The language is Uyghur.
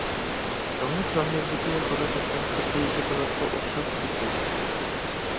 دېڭىز ساھىلىدىكى خادا تاشلار خۇددى شاكىلاتقا ئوخشاپ كېتىدۇ.